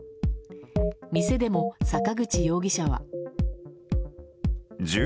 店でも、坂口容疑者は。